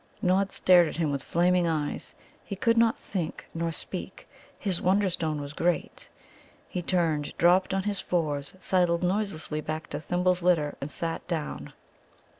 Nod stared at him with flaming eyes. He could not think nor speak. His Wonderstone was gone. He turned, dropped on his fours, sidled noiselessly back to Thimble's litter, and sat down.